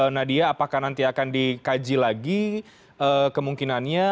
nadia apakah nanti akan dikaji lagi kemungkinannya